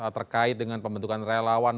terkait dengan pembentukan relawan